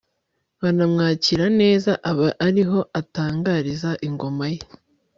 banamwakira neza, aba ari ho atangariza ingoma ye